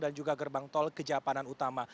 dan juga gerbang tol kejapanan utama